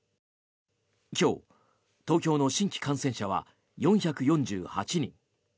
今日、東京の新規感染者は４４８人。